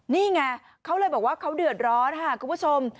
นี่ไงเขาเลยบอกว่าเขาเดือดร้อนค่ะคุณผู้ชม